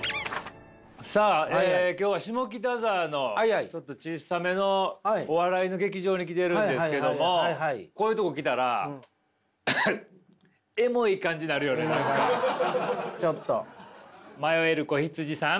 さあ今日は下北沢のちょっと小さめのお笑いの劇場に来てるんですけどもこういうとこ来たら迷える子羊さん。